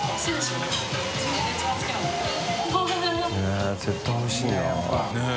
へぇ絶対おいしいな。ねぇ。